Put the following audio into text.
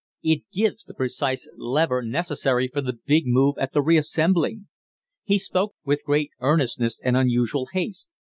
It gives the precise lever necessary for the big move at the reassembling." He spoke with great earnestness and unusual haste.